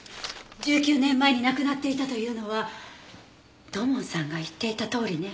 １９年前に亡くなっていたというのは土門さんが言っていたとおりね。